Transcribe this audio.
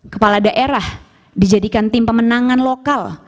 kepala daerah dijadikan tim pemenangan lokal